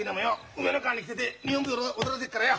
梅ノ川に着せて日本舞踊踊らせっからよ。